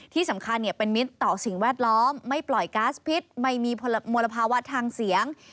ที่สำคัญเป็นมิตรต่อสิ่งแวดล้อมไม่ปล่อยก๊าซพิษไม่มีมลภาวะทางเสียง